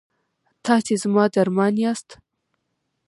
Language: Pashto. تاسې زما درمان یاست؟